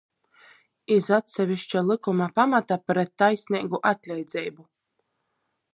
Iz atseviška lykuma pamata pret taisneigu atleidzeibu.